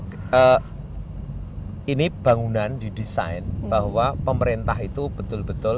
jadi ini bangunan didesain bahwa pemerintah itu betul betul berbentuk